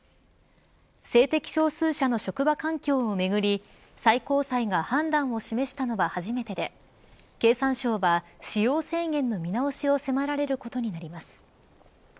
性的少数者の職場環境をめぐり最高裁が判断を示したのは初めてで経産省は使用制限の見直しを迫られることになります。